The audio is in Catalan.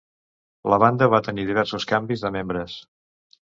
La banda va tenir diversos canvis de membres.